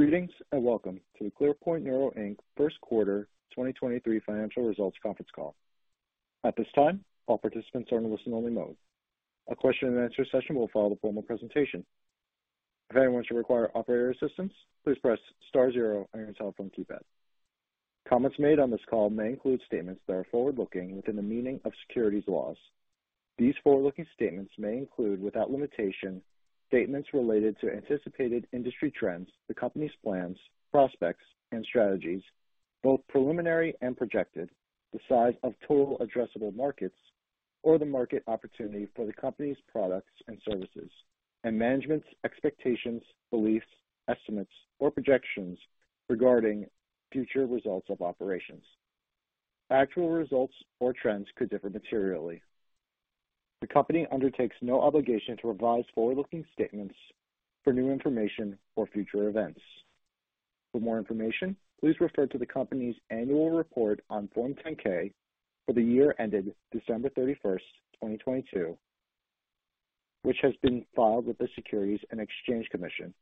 Greetings, welcome to the ClearPoint Neuro, Inc. first quarter 2023 financial results conference call. At this time, all participants are in listen-only mode. A question-and-answer session will follow the formal presentation. If anyone should require operator assistance, please press star 0 on your telephone keypad. Comments made on this call may include statements that are forward-looking within the meaning of securities laws. These forward-looking statements may include, without limitation, statements related to anticipated industry trends, the company's plans, prospects and strategies, both preliminary and projected, the size of total addressable markets or the market opportunity for the company's products and services, and management's expectations, beliefs, estimates, or projections regarding future results of operations. Actual results or trends could differ materially. The company undertakes no obligation to revise forward-looking statements for new information or future events. For more information, please refer to the company's annual report on Form 10-K for the year ended December 31st, 2022, which has been filed with the Securities and Exchange Commission,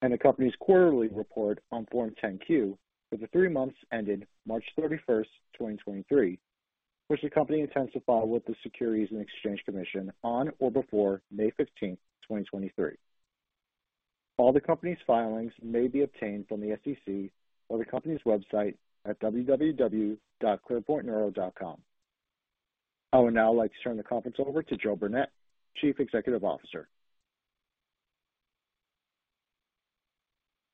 and the company's quarterly report on Form 10-Q for the three months ended March 31st, 2023, which the company intends to file with the Securities and Exchange Commission on or before May 15th, 2023. All the company's filings may be obtained from the SEC or the company's website at www.clearpointneuro.com. I would now like to turn the conference over to Joe Burnett, Chief Executive Officer.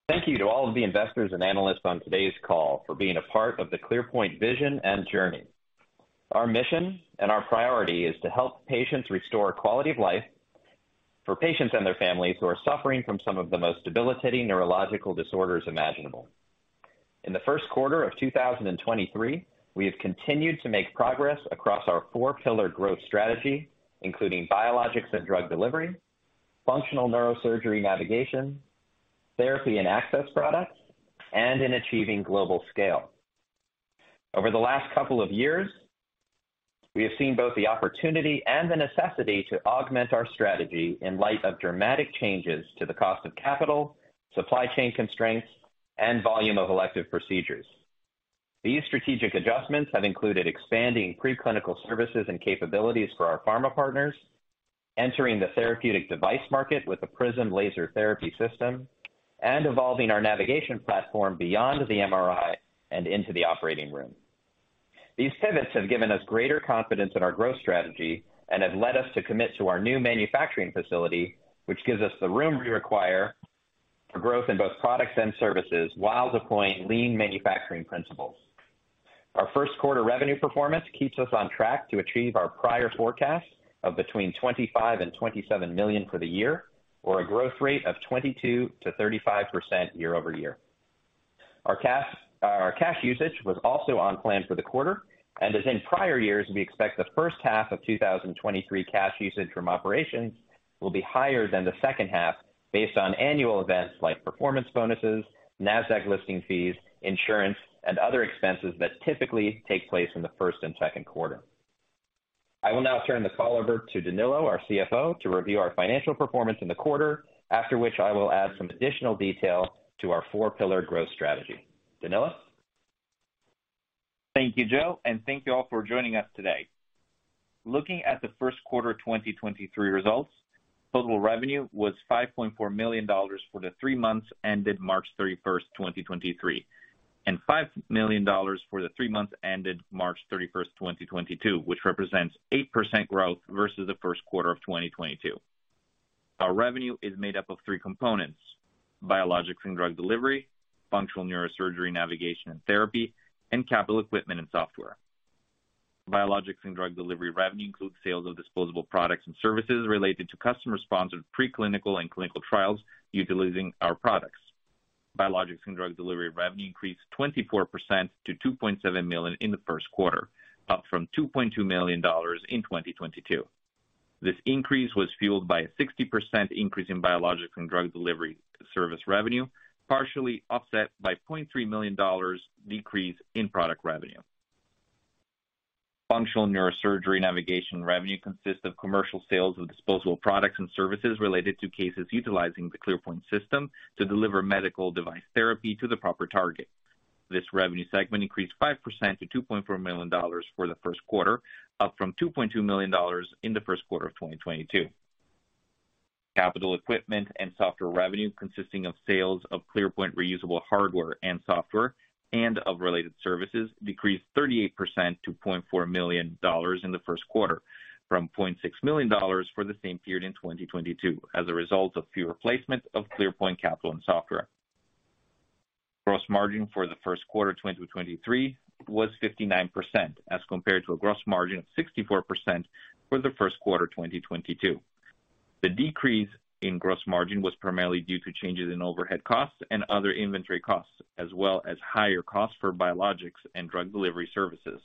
Thank you to all of the investors and analysts on today's call for being a part of the ClearPoint Neuro vision and journey. Our mission and our priority is to help patients restore quality of life for patients and their families who are suffering from some of the most debilitating neurological disorders imaginable. In the first quarter of 2023, we have continued to make progress across our four pillar growth strategy, including biologics and drug delivery, functional neurosurgery navigation, therapy and access products, and in achieving global scale. Over the last couple of years, we have seen both the opportunity and the necessity to augment our strategy in light of dramatic changes to the cost of capital, supply chain constraints, and volume of elective procedures. These strategic adjustments have included expanding pre-clinical services and capabilities for our pharma partners, entering the therapeutic device market with the PRISM Neuro Laser Therapy System, and evolving our navigation platform beyond the MRI and into the operating room. These pivots have given us greater confidence in our growth strategy and have led us to commit to our new manufacturing facility, which gives us the room we require for growth in both products and services while deploying lean manufacturing principles. Our first quarter revenue performance keeps us on track to achieve our prior forecast of between $25 million and $27 million for the year, or a growth rate of 22%-35% year-over-year. Our cash, our cash usage was also on plan for the quarter, as in prior years, we expect the first half of 2023 cash usage from operations will be higher than the second half based on annual events like performance bonuses, Nasdaq listing fees, insurance, and other expenses that typically take place in the first and second quarter. I will now turn the call over to Danilo, our CFO, to review our financial performance in the quarter, after which I will add some additional detail to our four pillar growth strategy. Danilo. Thank you, Joe. Thank you all for joining us today. Looking at the first quarter of 2023 results, total revenue was $5.4 million for the three months ended March thirty-first, 2023, and $5 million for the three months ended March thirty-first, 2022, which represents 8% growth versus the first quarter of 2022. Our revenue is made up of three components, biologics and drug delivery, functional neurosurgery navigation and therapy, and capital equipment and software. Biologics and drug delivery revenue includes sales of disposable products and services related to customer sponsored pre-clinical and clinical trials utilizing our products. Biologics and drug delivery revenue increased 24% to $2.7 million in the first quarter, up from $2.2 million in 2022. This increase was fueled by a 60% increase in biologics and drug delivery service revenue, partially offset by a $0.3 million decrease in product revenue. Functional neurosurgery navigation revenue consists of commercial sales of disposable products and services related to cases utilizing the ClearPoint System to deliver medical device therapy to the proper target. This revenue segment increased 5% to $2.4 million for the first quarter, up from $2.2 million in the first quarter of 2022. Capital equipment and software revenue, consisting of sales of ClearPoint reusable hardware and software and of related services, decreased 38% to $0.4 million in the first quarter from $0.6 million for the same period in 2022 as a result of fewer placements of ClearPoint capital and software. Gross margin for the first quarter 2023 was 59%, as compared to a gross margin of 64% for the first quarter of 2022. The decrease in gross margin was primarily due to changes in overhead costs and other inventory costs, as well as higher costs for biologics and drug delivery services.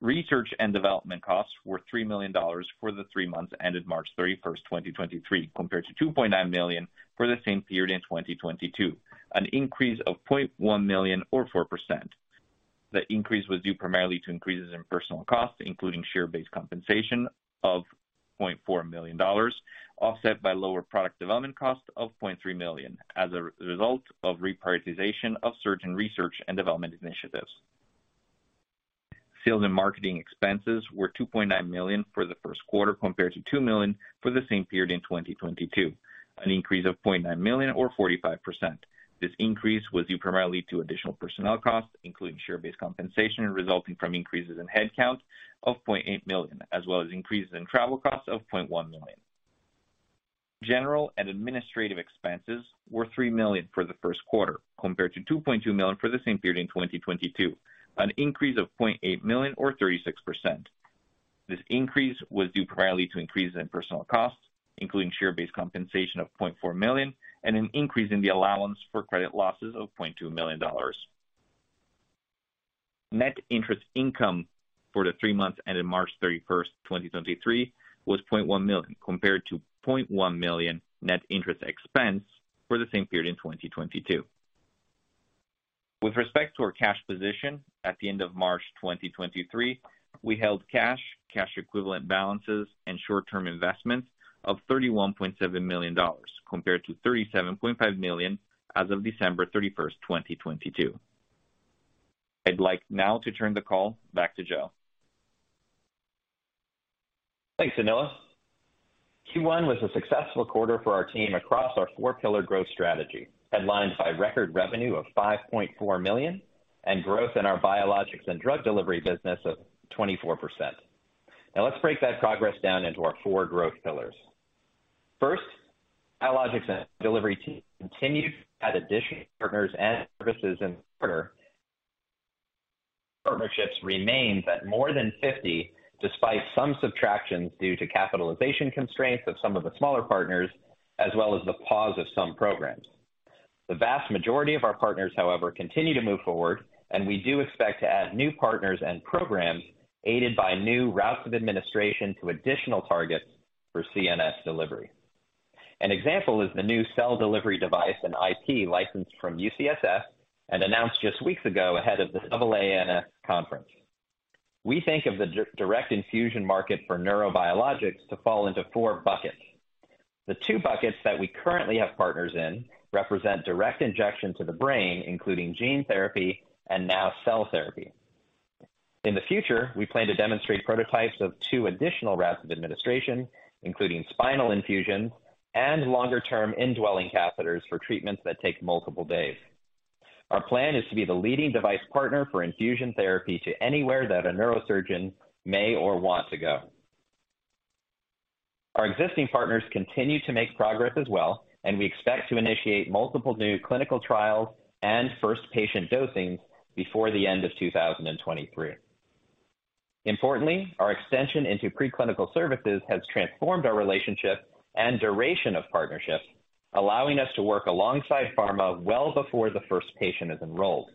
Research and development costs were $3 million for the three months ended March 31, 2023, compared to $2.9 million for the same period in 2022, an increase of $0.1 million or 4%. The increase was due primarily to increases in personal costs, including share-based compensation of $0.4 million, offset by lower product development costs of $0.3 million as a result of reprioritization of certain research and development initiatives. Sales and marketing expenses were $2.9 million for the first quarter compared to $2 million for the same period in 2022, an increase of $0.9 million or 45%. This increase was due primarily to additional personnel costs, including share-based compensation resulting from increases in headcount of $0.8 million, as well as increases in travel costs of $0.1 million. General and administrative expenses were $3 million for the first quarter compared to $2.2 million for the same period in 2022, an increase of $0.8 million or 36%. This increase was due primarily to increases in personal costs, including share-based compensation of $0.4 million and an increase in the allowance for credit losses of $0.2 million. Net interest income for the three months ended March 31st, 2023 was $0.1 million compared to $0.1 million net interest expense for the same period in 2022. With respect to our cash position at the end of March 2023, we held cash equivalent balances and short-term investments of $31.7 million compared to $37.5 million as of December 31st, 2022. I'd like now to turn the call back to Joe. Thanks, Danilo. Q1 was a successful quarter for our team across our four-pillar growth strategy, headlined by record revenue of $5.4 million and growth in our biologics and drug delivery business of 24%. Let's break that progress down into our four growth pillars. Biologics and delivery continued to add additional partners and services in the quarter. Partnerships remained at more than 50, despite some subtractions due to capitalization constraints of some of the smaller partners, as well as the pause of some programs. The vast majority of our partners, however, continue to move forward, and we do expect to add new partners and programs aided by new routes of administration to additional targets for CNS delivery. An example is the new cell delivery device and IP licensed from UCSF and announced just weeks ago ahead of the AANS conference. We think of the direct infusion market for neurobiologics to fall into four buckets. The two buckets that we currently have partners in represent direct injection to the brain, including gene therapy and now cell therapy. In the future, we plan to demonstrate prototypes of two additional routes of administration, including spinal infusion and longer-term indwelling catheters for treatments that take multiple days. Our plan is to be the leading device partner for infusion therapy to anywhere that a neurosurgeon may or wants to go. Our existing partners continue to make progress as well, and we expect to initiate multiple new clinical trials and first patient dosings before the end of 2023. Importantly, our extension into pre-clinical services has transformed our relationship and duration of partnerships, allowing us to work alongside pharma well before the first patient is enrolled.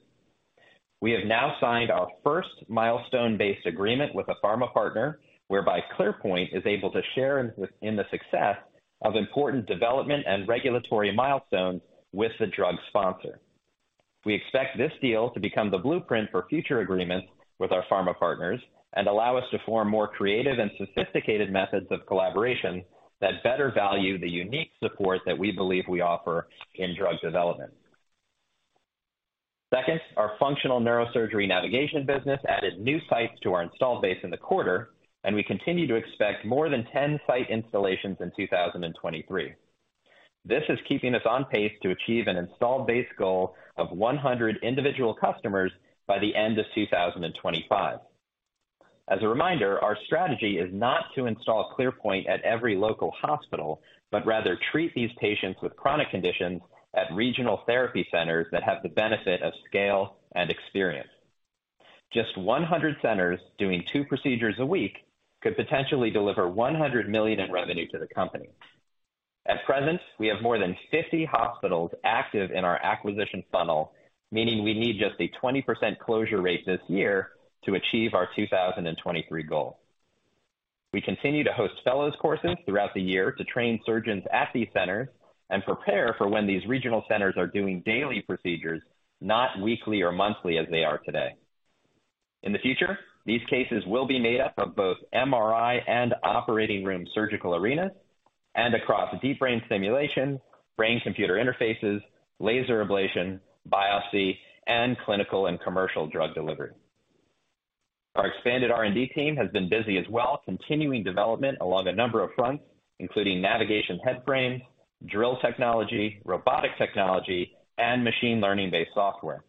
We have now signed our first milestone-based agreement with a pharma partner, whereby ClearPoint is able to share in the success of important development and regulatory milestones with the drug sponsor. We expect this deal to become the blueprint for future agreements with our pharma partners and allow us to form more creative and sophisticated methods of collaboration that better value the unique support that we believe we offer in drug development. Second, our functional neurosurgery navigation business added new sites to our installed base in the quarter, and we continue to expect more than 10 site installations in 2023. This is keeping us on pace to achieve an installed base goal of 100 individual customers by the end of 2025. As a reminder, our strategy is not to install ClearPoint at every local hospital, but rather treat these patients with chronic conditions at regional therapy centers that have the benefit of scale and experience. Just 100 centers doing two procedures a week could potentially deliver $100 million in revenue to the company. At present, we have more than 50 hospitals active in our acquisition funnel, meaning we need just a 20% closure rate this year to achieve our 2023 goal. We continue to host fellows courses throughout the year to train surgeons at these centers and prepare for when these regional centers are doing daily procedures, not weekly or monthly as they are today. In the future, these cases will be made up of both MRI and operating room surgical arenas and across deep brain stimulation, brain computer interfaces, laser ablation, biopsy, and clinical and commercial drug delivery. Our expanded R&D team has been busy as well, continuing development along a number of fronts, including navigation head frame, drill technology, robotic technology, and machine learning-based software.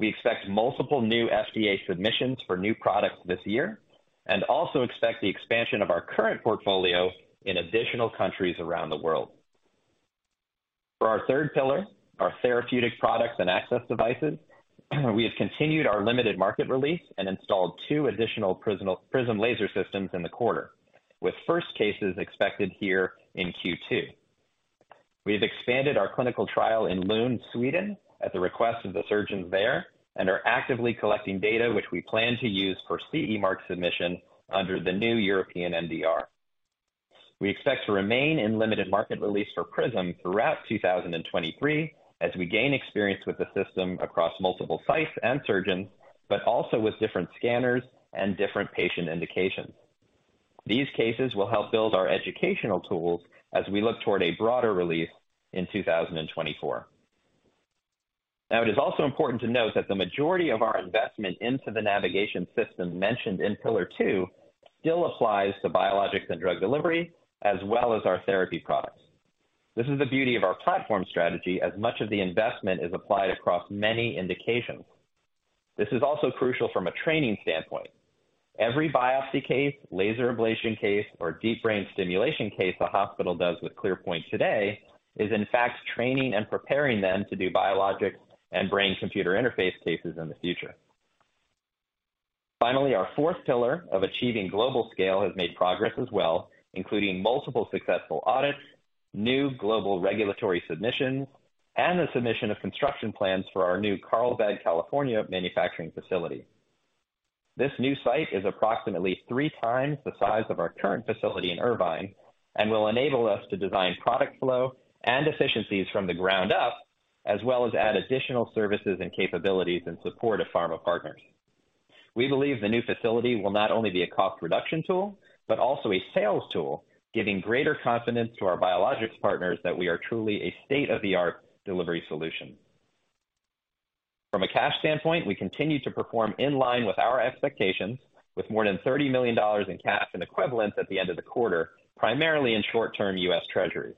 We expect multiple new FDA submissions for new products this year and also expect the expansion of our current portfolio in additional countries around the world. For our third pillar, our therapeutic products and access devices, we have continued our limited market release and installed 2 additional PRISM Laser Systems in the quarter, with first cases expected here in Q2. We have expanded our clinical trial in Lund, Sweden at the request of the surgeons there. We are actively collecting data which we plan to use for CE mark submission under the new European MDR. We expect to remain in limited market release for PRISM throughout 2023 as we gain experience with the system across multiple sites and surgeons, but also with different scanners and different patient indications. These cases will help build our educational tools as we look toward a broader release in 2024. It is also important to note that the majority of our investment into the navigation system mentioned in pillar 2 still applies to biologics and drug delivery as well as our therapy products. This is the beauty of our platform strategy as much of the investment is applied across many indications. This is also crucial from a training standpoint. Every biopsy case, laser ablation case, or deep brain stimulation case a hospital does with ClearPoint Neuro today is in fact training and preparing them to do biologics and brain computer interface cases in the future. Our fourth pillar of achieving global scale has made progress as well, including multiple successful audits, new global regulatory submissions, and the submission of construction plans for our new Carlsbad, California, manufacturing facility. This new site is approximately 3 times the size of our current facility in Irvine and will enable us to design product flow and efficiencies from the ground up, as well as add additional services and capabilities in support of pharma partners. We believe the new facility will not only be a cost reduction tool, but also a sales tool, giving greater confidence to our biologics partners that we are truly a state-of-the-art delivery solution. From a cash standpoint, we continue to perform in line with our expectations with more than $30 million in cash and equivalents at the end of the quarter, primarily in short-term U.S. Treasury.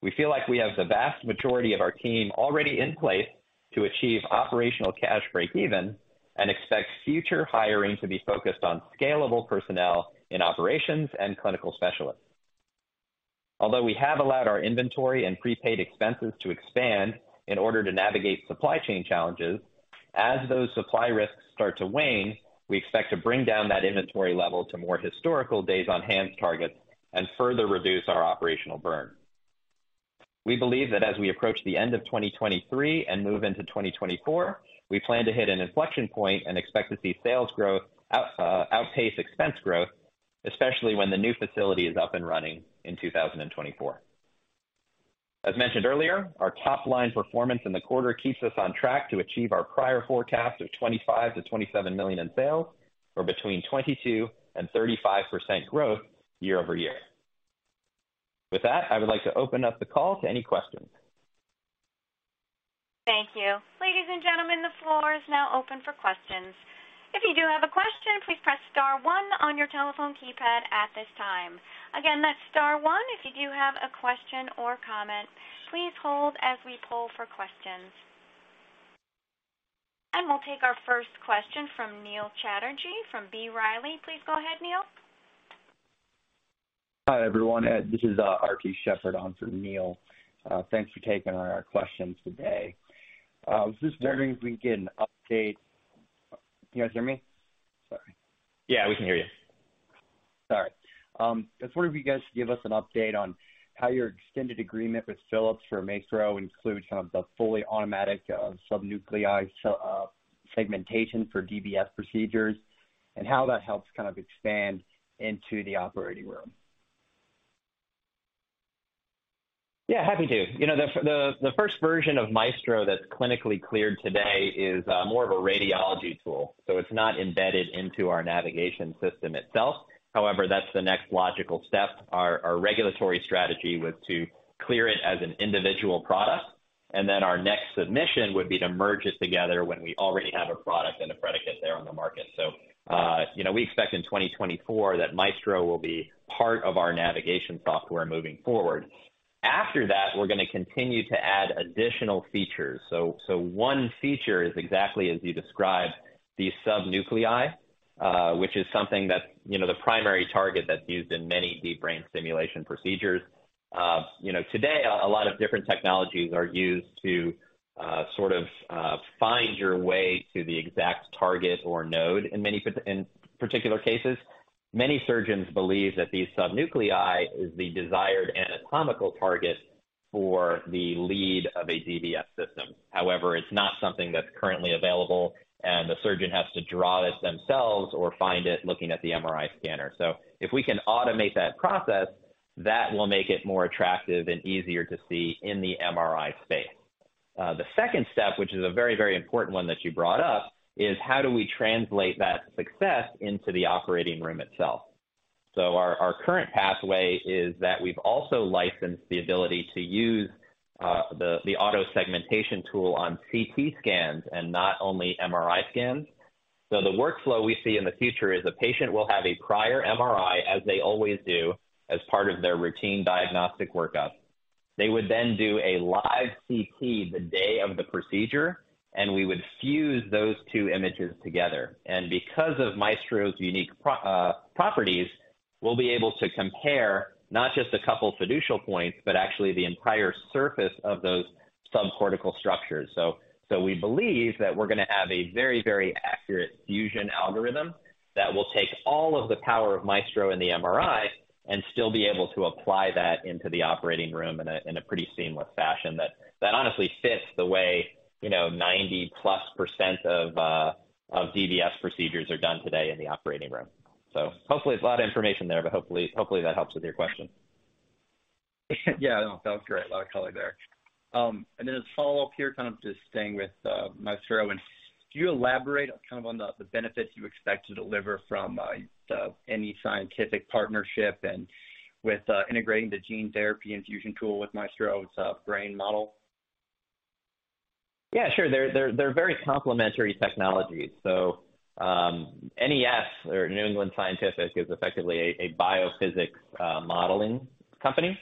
We feel like we have the vast majority of our team already in place to achieve operational cash breakeven and expect future hiring to be focused on scalable personnel in operations and clinical specialists. We have allowed our inventory and prepaid expenses to expand in order to navigate supply chain challenges, as those supply risks start to wane, we expect to bring down that inventory level to more historical days on hand targets and further reduce our operational burn. We believe that as we approach the end of 2023 and move into 2024, we plan to hit an inflection point and expect to see sales growth outpace expense growth, especially when the new facility is up and running in 2024. As mentioned earlier, our top-line performance in the quarter keeps us on track to achieve our prior forecast of $25 million-$27 million in sales or between 22% and 35% growth year-over-year. With that, I would like to open up the call to any questions. Thank you. Ladies and gentlemen, the floor is now open for questions. If you do have a question, please press star one on your telephone keypad at this time. Again, that's star one if you do have a question or comment. Please hold as we poll for questions. We'll take our first question from Neil Chatterji from B. Riley. Please go ahead, Neil. Hi, everyone. This is RP Shepherd on for Neil. Thanks for taking our questions today. Was just wondering if we can get an update. Can you guys hear me? Sorry. Yeah, we can hear you. Sorry. I was wondering if you guys could give us an update on how your extended agreement with Philips for Maestro includes kind of the fully automatic, subnuclei segmentation for DBS procedures and how that helps kind of expand into the operating room? Yeah, happy to. You know, the first version of Maestro that's clinically cleared today is more of a radiology tool, so it's not embedded into our navigation system itself. However, that's the next logical step. Our regulatory strategy was to clear it as an individual product, and then our next submission would be to merge it together when we already have a product and a predicate there on the market. You know, we expect in 2024 that Maestro will be part of our navigation software moving forward. After that, we're going to continue to add additional features. One feature is exactly as you described, the subnuclei, which is something that's, you know, the primary target that's used in many deep brain stimulation procedures. you know, today a lot of different technologies are used to sort of find your way to the exact target or node in particular cases. Many surgeons believe that these subnuclei is the desired anatomical target for the lead of a DBS system. However, it's not something that's currently available, and the surgeon has to draw this themselves or find it looking at the MRI scanner. If we can automate that process, that will make it more attractive and easier to see in the MRI space. The second step, which is a very, very important one that you brought up, is how do we translate that success into the operating room itself? Our current pathway is that we've also licensed the ability to use the auto segmentation tool on CT scans and not only MRI scans. The workflow we see in the future is a patient will have a prior MRI, as they always do, as part of their routine diagnostic workup. They would do a live CT the day of the procedure, and we would fuse those two images together. Because of Maestro's unique properties, we'll be able to compare not just a couple fiducial points, but actually the entire surface of those subcortical structures. We believe that we're going to have a very, very accurate fusion algorithm that will take all of the power of Maestro in the MRI and still be able to apply that into the operating room in a, in a pretty seamless fashion that honestly fits the way, you know, 90%+ of DBS procedures are done today in the operating room. Hopefully, a lot of information there, but hopefully that helps with your question. Yeah, no, that was great. A lot of color there. As a follow-up here, kind of just staying with Maestro. Could you elaborate kind of on the benefits you expect to deliver from, the NE Scientific partnership and with, integrating the gene therapy infusion tool with Maestro's brain model? Sure. They're very complementary technologies. NES or New England Scientific is effectively a biophysics modeling company.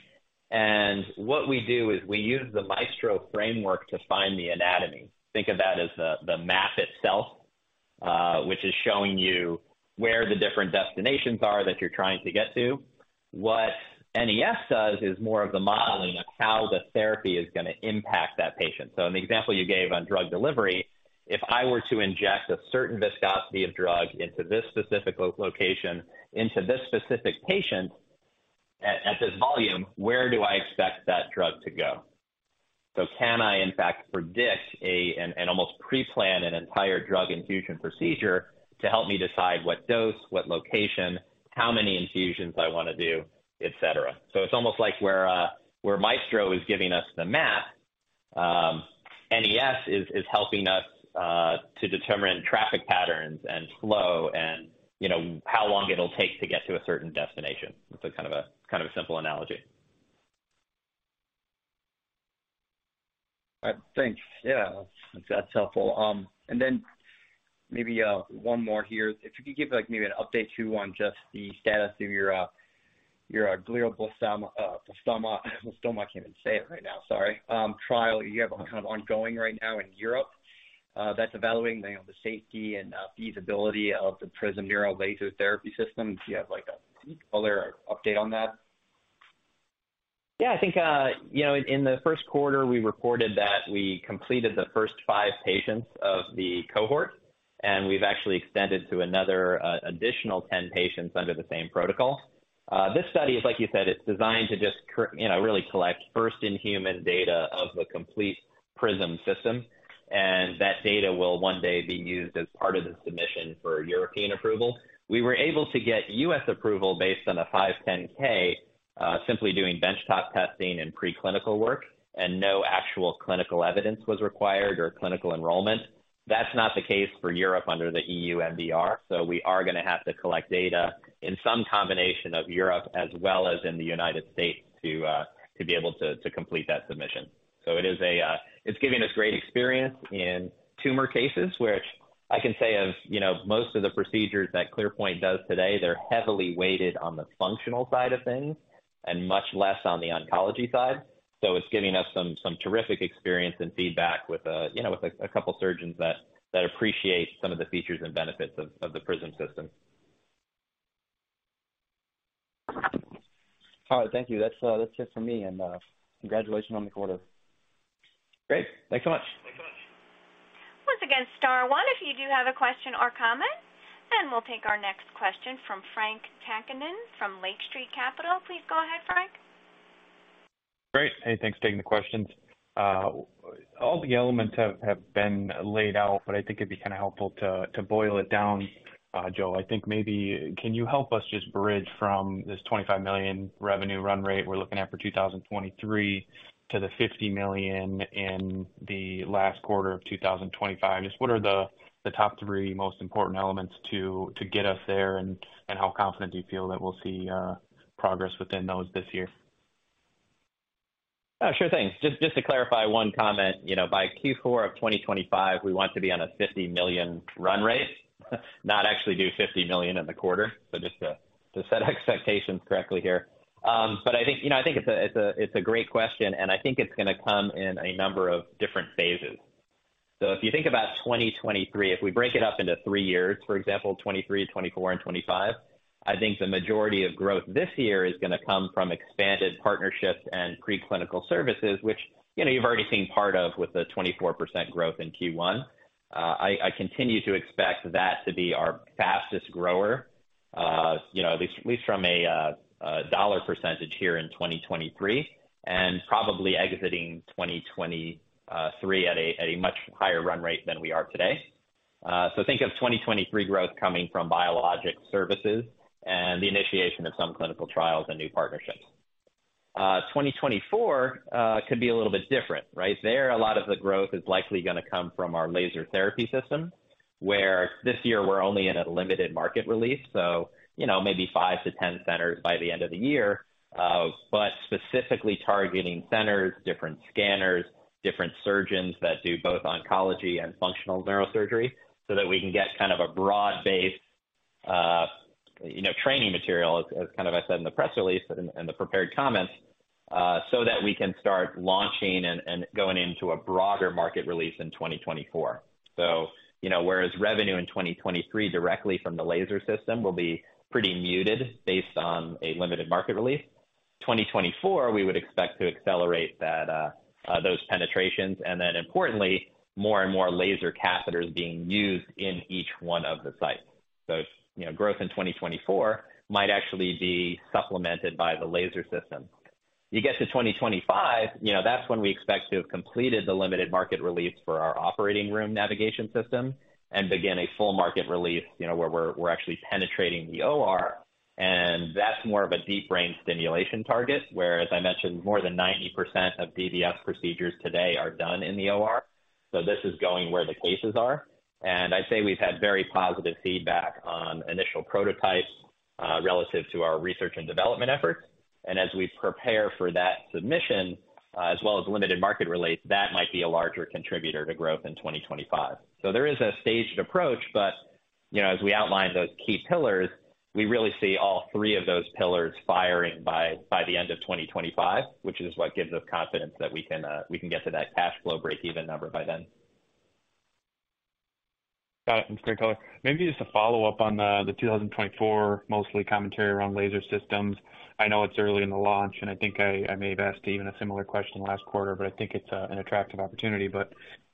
What we do is we use the Maestro framework to find the anatomy. Think of that as the map itself, which is showing you where the different destinations are that you're trying to get to. What NES does is more of the modeling of how the therapy is gonna impact that patient. An example you gave on drug delivery, if I were to inject a certain viscosity of drug into this specific location, into this specific patient at this volume, where do I expect that drug to go? Can I, in fact, predict an almost preplan an entire drug infusion procedure to help me decide what dose, what location, how many infusions I wanna do, et cetera. It's almost like where Maestro is giving us the map, NES is helping us to determine traffic patterns and flow and, you know, how long it'll take to get to a certain destination. It's a kind of a simple analogy. I think, yeah, that's helpful. Maybe one more here. If you could give, like, maybe an update too, on just the status of your glioblastoma, I can't even say it right now, sorry, trial you have kind of ongoing right now in Europe, that's evaluating, you know, the safety and feasibility of the PRISM Neuro Laser Therapy System. Do you have like a further update on that? Yeah, I think, you know, in the first quarter, we reported that we completed the first five patients of the cohort, and we've actually extended to another, additional 10 patients under the same protocol. This study is, like you said, it's designed to just you know, really collect first in human data of the complete PRISM System, and that data will one day be used as part of the submission for European approval. We were able to get U.S. approval based on a 510(k), simply doing benchtop testing and preclinical work, and no actual clinical evidence was required or clinical enrollment. That's not the case for Europe under the EU MDR. We are gonna have to collect data in some combination of Europe as well as in the United States to be able to complete that submission. It's given us great experience in tumor cases, which I can say of, you know, most of the procedures that ClearPoint does today, they're heavily weighted on the functional side of things and much less on the oncology side. It's giving us some terrific experience and feedback with, you know, with a couple surgeons that appreciate some of the features and benefits of the PRISM system. All right. Thank you. That's, that's it for me and, congratulations on the quarter. Great. Thanks so much. Once again, star 1 if you do have a question or comment. We'll take our next question from Frank Takkinen from Lake Street Capital. Please go ahead, Frank. Great. Hey, thanks for taking the questions. All the elements have been laid out, I think it'd be kind of helpful to boil it down, Joe. I think maybe can you help us just bridge from this $25 million revenue run rate we're looking at for 2023 to the $50 million in the last quarter of 2025? Just what are the top 3 most important elements to get us there and how confident do you feel that we'll see progress within those this year? Sure thing. Just to clarify one comment. You know, by Q4 of 2025, we want to be on a $50 million run rate, not actually do $50 million in the quarter. Just to set expectations correctly here. I think, you know, I think it's a great question, and I think it's gonna come in a number of different phases. If you think about 2023, if we break it up into three years, for example, 2023, 2024 and 2025, I think the majority of growth this year is gonna come from expanded partnerships and preclinical services, which, you know, you've already seen part of with the 24% growth in Q1. I continue to expect that to be our fastest grower, you know, at least, at least from a dollar percentage here in 2023, and probably exiting 2023 at a much higher run rate than we are today. Think of 2023 growth coming from biologic services and the initiation of some clinical trials and new partnerships. 2024 could be a little bit different, right? There, a lot of the growth is likely gonna come from our laser therapy system, where this year we're only in a limited market release, so, you know, maybe 5-10 centers by the end of the year. Specifically targeting centers, different scanners, different surgeons that do both oncology and functional neurosurgery, so that we can get kind of a broad-based, you know, training material, as kind of I said in the press release and the prepared comments, so that we can start launching and going into a broader market release in 2024. You know, whereas revenue in 2023 directly from the laser system will be pretty muted based on a limited market release, 2024, we would expect to accelerate that, those penetrations, and then importantly, more and more laser catheters being used in each one of the sites. You know, growth in 2024 might actually be supplemented by the laser system. You get to 2025, you know, that's when we expect to have completed the limited market release for our operating room navigation system and begin a full market release, you know, where we're actually penetrating the OR, and that's more of a deep brain stimulation target. I mentioned, more than 90% of DBS procedures today are done in the OR. This is going where the cases are. I'd say we've had very positive feedback on initial prototypes relative to our research and development efforts. As we prepare for that submission, as well as limited market release, that might be a larger contributor to growth in 2025. There is a staged approach, but, you know, as we outline those key pillars, we really see all three of those pillars firing by the end of 2025, which is what gives us confidence that we can, we can get to that cash flow breakeven number by then. Got it. That's clear color. Maybe just a follow-up on the 2024 mostly commentary around laser systems. I know it's early in the launch. I think I may have asked even a similar question last quarter. I think it's an attractive opportunity.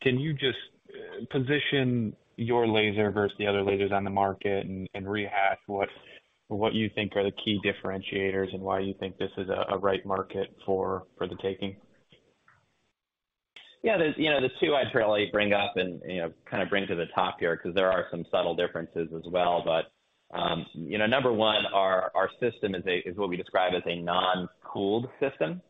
Can you just position your laser versus the other lasers on the market and rehash what you think are the key differentiators and why you think this is a right market for the taking? Yeah. The, you know, the two I'd really bring up and, you know, kind of bring to the top here because there are some subtle differences as well. You know, number one, our system is what we describe as a non-cooled system,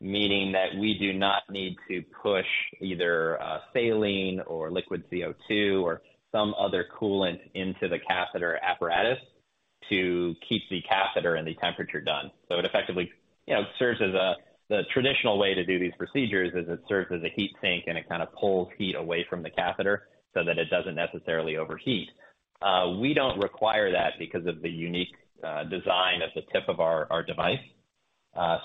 meaning that we do not need to push either saline or liquid CO2 or some other coolant into the catheter apparatus to keep the catheter and the temperature down. It effectively, you know, serves as the traditional way to do these procedures is it serves as a heat sink, and it kind of pulls heat away from the catheter so that it doesn't necessarily overheat. We don't require that because of the unique design of the tip of our device.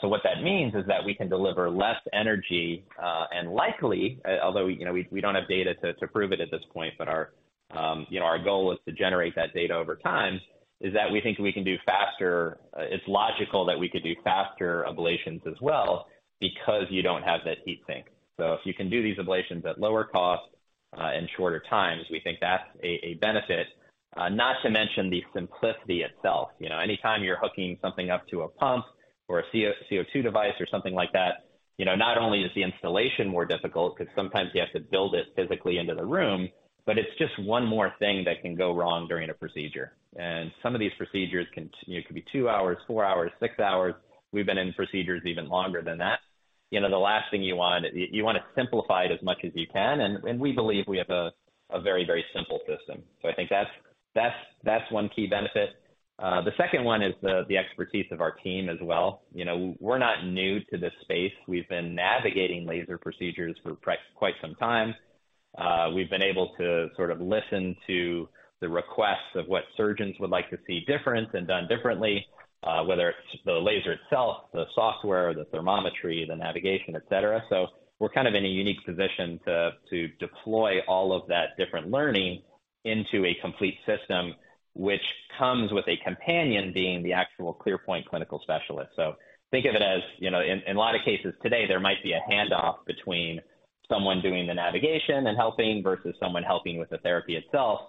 What that means is that we can deliver less energy, and likely, although, you know, we don't have data to prove it at this point, but our, you know, our goal is to generate that data over time, is that we think we can do faster. It's logical that we could do faster ablations as well because you don't have that heat sink. If you can do these ablations at lower cost and shorter times, we think that's a benefit. Not to mention the simplicity itself. You know, anytime you're hooking something up to a pump or a CO2 device or something like that, you know, not only is the installation more difficult because sometimes you have to build it physically into the room, but it's just one more thing that can go wrong during a procedure. Some of these procedures can, you know, could be two hours, four hours, six hours. We've been in procedures even longer than that. You know, the last thing you want, you want to simplify it as much as you can, and we believe we have a very, very simple system. I think that's one key benefit. The second one is the expertise of our team as well. You know, we're not new to this space. We've been navigating laser procedures for quite some time. We've been able to sort of listen to the requests of what surgeons would like to see different and done differently, whether it's the laser itself, the software, the thermometry, the navigation, et cetera. We're kind of in a unique position to deploy all of that different learning into a complete system, which comes with a companion being the actual ClearPoint clinical specialist. Think of it as, you know, in a lot of cases today, there might be a handoff between someone doing the navigation and helping versus someone helping with the therapy itself.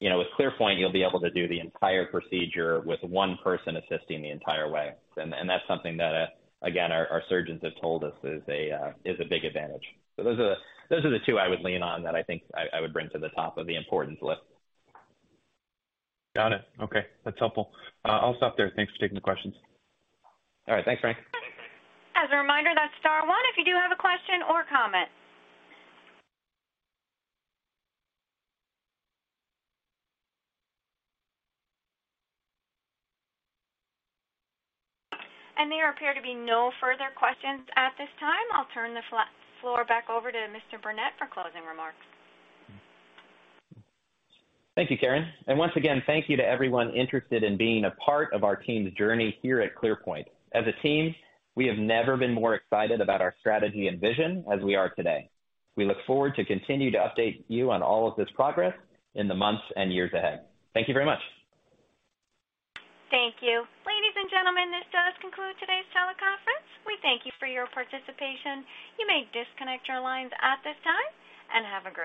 You know, with ClearPoint, you'll be able to do the entire procedure with one person assisting the entire way. That's something that again, our surgeons have told us is a big advantage. Those are the two I would lean on that I think I would bring to the top of the importance list. Got it. Okay. That's helpful. I'll stop there. Thanks for taking the questions. All right. Thanks, Frank. As a reminder, that's star 1 if you do have a question or comment. There appear to be no further questions at this time. I'll turn the floor back over to Mr. Burnett for closing remarks. Thank you, Karen. Once again, thank you to everyone interested in being a part of our team's journey here at ClearPoint. As a team, we have never been more excited about our strategy and vision as we are today. We look forward to continue to update you on all of this progress in the months and years ahead. Thank you very much. Thank you. Ladies and gentlemen, this does conclude today's teleconference. We thank you for your participation. You may disconnect your lines at this time, and have a great day.